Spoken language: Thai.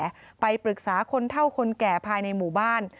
พูดถึงว่าโปรดปรึกษาคนเท่าคนแก่ภายในหมู่บ้าน